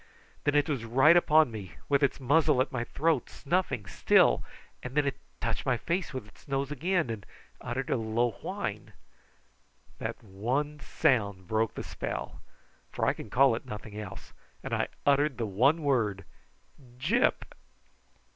Then it was right upon me, with its muzzle at my throat, snuffing still, and then it touched my face with its nose again and uttered a low whine. That sound broke the spell, for I can call it nothing else, and I uttered the one word: "Gyp!"